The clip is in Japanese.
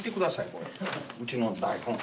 これうちの台本